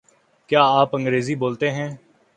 کیا آپ انگریزی بولتے ہیں؟